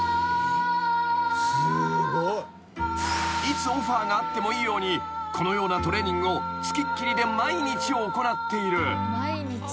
［いつオファーがあってもいいようにこのようなトレーニングを付きっきりで毎日行っている］